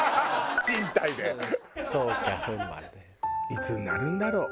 いつになるんだろう？